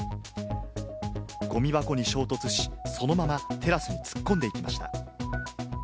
ごみ箱に衝突し、そのままテラスに突っ込んでいきました。